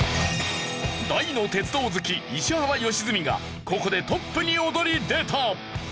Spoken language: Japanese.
大の鉄道好き石原良純がここでトップに躍り出た。